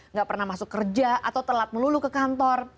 nggak pernah masuk kerja atau telat melulu ke kantor